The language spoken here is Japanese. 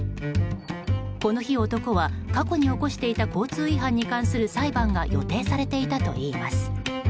この日、男は過去に起こしていた交通違反に関する裁判が予定されていたといいます。